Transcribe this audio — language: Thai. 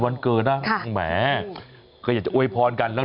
หมอกิตติวัตรว่ายังไงบ้างมาเป็นผู้ทานที่นี่แล้วอยากรู้สึกยังไงบ้าง